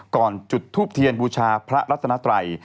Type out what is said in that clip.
ก่อนจุดทูปเทียนบูชาพระรัชนาตรัย